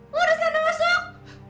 lu udah sana masuk